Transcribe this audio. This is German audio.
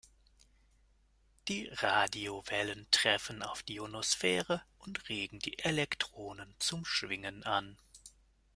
Die Radiowellen treffen auf die Ionosphäre und regen die Elektronen zum Schwingen an.